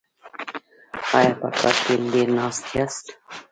ایا په کار کې ډیر ناست یاست؟